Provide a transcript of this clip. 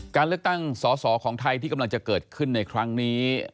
การเลือกตั้งสอสอของไทยที่กำลังจะเกิดขึ้นในครั้งนี้